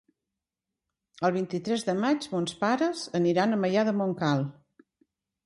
El vint-i-tres de maig mons pares aniran a Maià de Montcal.